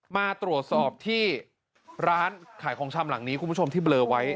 มาตรวจสอบที่ร้านขายของชำหลังนี้คุณผู้ชมที่เบลอไว้